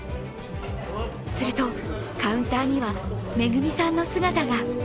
すると、カウンターには恵さんの姿が。